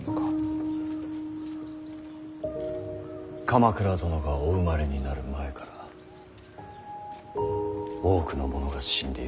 鎌倉殿がお生まれになる前から多くの者が死んでゆきました。